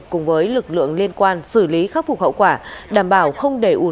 cùng với lực lượng liên quan xử lý khắc phục hậu quả đảm bảo không để un